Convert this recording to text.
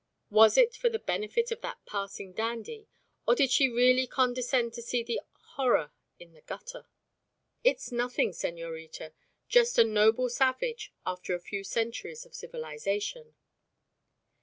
Was it for the benefit of that passing dandy, or did she really condescend to see the Horror in the gutter? It's nothing, Señorita: just a "noble savage" after a few centuries of civilisation.